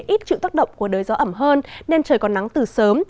ít chịu tác động của đới gió ẩm hơn nên trời còn nắng từ sớm